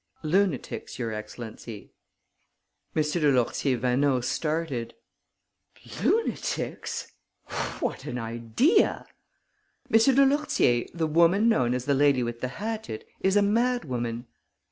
"Lunatics, your excellency." M. de Lourtier Vaneau started: "Lunatics? What an idea!" "M. de Lourtier, the woman known as the lady with the hatchet is a madwoman."